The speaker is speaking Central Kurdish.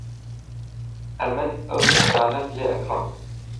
ئەمن ئەو تشتانەت لێ ئەکڕم.